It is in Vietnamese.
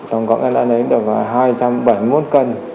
rồi hai trăm bảy mươi một cân